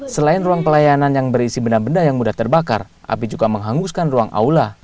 selain ruang pelayanan yang berisi benda benda yang mudah terbakar api juga menghanguskan ruang aula